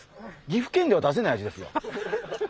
岐阜県では出せない味ですよ。